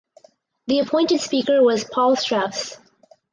The appointed Speaker was Paul Strauss.